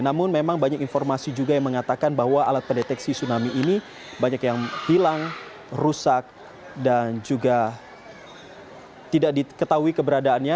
namun memang banyak informasi juga yang mengatakan bahwa alat pendeteksi tsunami ini banyak yang hilang rusak dan juga tidak diketahui keberadaannya